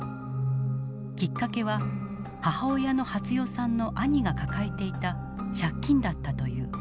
きっかけは母親の初代さんの兄が抱えていた借金だったという。